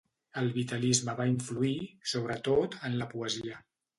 El vitalisme va influir, sobretot en la poesia.